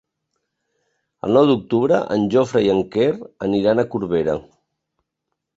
El nou d'octubre en Jofre i en Quer aniran a Corbera.